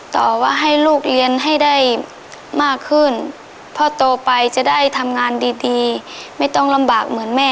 ต่อไว้ให้ลูกเรียนให้ได้มากขึ้น